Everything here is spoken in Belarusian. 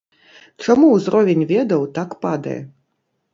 Чаму ўзровень ведаў так падае?